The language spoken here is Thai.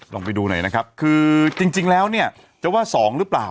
ลองไปดูหน่อยนะครับคือจริงแล้วเนี่ยจะว่า๒หรือเปล่า